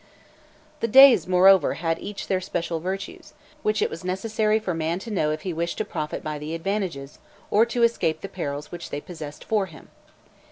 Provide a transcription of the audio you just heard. The days, moreover, had each their special virtues, which it was necessary for man to know if he wished to profit by the advantages, or to escape the perils which they possessed for him.